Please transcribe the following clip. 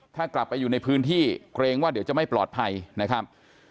ถ้ากลับไปอยู่ในพื้นที่เกรงว่าเดี๋ยวจะไม่ปลอดภัยนะครับ